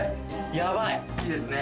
やばいいいですね